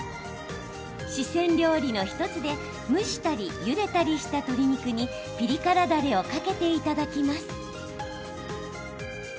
四川料理の１つで蒸したりゆでたりした鶏肉にピリ辛だれをかけていただきます。